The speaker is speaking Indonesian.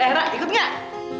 eh ra ikut gak